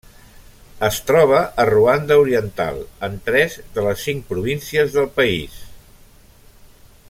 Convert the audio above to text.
Es troba a Ruanda oriental en tres de les cinc províncies del país.